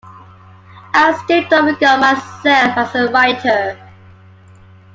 I still don't regard myself as a writer.